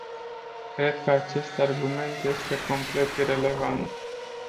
Cred că acest argument este complet irelevant.